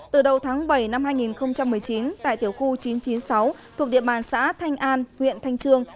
từ đầu tháng bảy năm hai nghìn một mươi chín tại tiểu khu chín trăm chín mươi sáu thuộc địa bàn xã thanh an huyện thanh trương